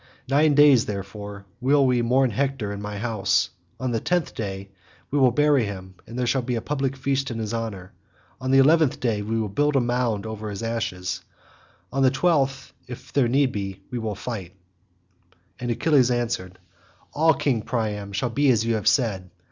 Nine days, therefore, will we mourn Hector in my house; on the tenth day we will bury him and there shall be a public feast in his honour; on the eleventh we will build a mound over his ashes, and on the twelfth, if there be need, we will fight." And Achilles answered, "All, King Priam, shall be as you have said.